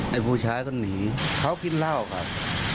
ผู้ชายก็หนีเขากินเหล้าครับ